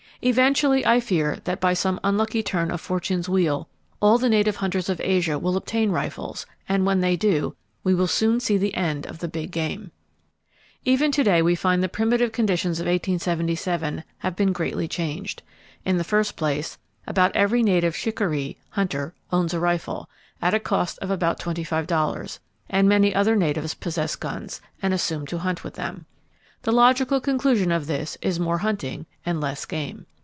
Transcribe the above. Eventually, I fear that by some unlucky turn of Fortune's wheel all the native hunters of Asia will obtain rifles; and when they do, we soon will see the end of the big game. Even to day we find that the primitive conditions of 1877 have been greatly changed. In the first place, about every native shikaree (hunter) owns a rifle, at a cost of about $25; and many other natives possess guns, and assume to hunt with them. The logical conclusion of this is more hunting and less game.